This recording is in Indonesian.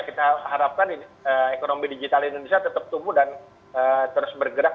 kita harapkan ekonomi digital indonesia tetap tumbuh dan terus bergerak